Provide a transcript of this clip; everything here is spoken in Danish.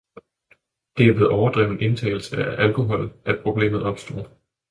Det er ved overdreven indtagelse af alkohol, at problemet opstår.